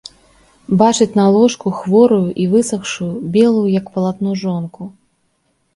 Бачыць на ложку хворую i высахшую, белую як палатно жонку...